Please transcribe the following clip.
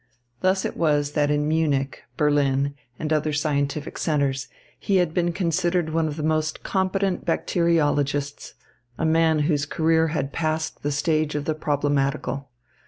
Thus it was that in Munich, Berlin, and other scientific centres, he had been considered one of the most competent bacteriologists, a man whose career had passed the stage of the problematical.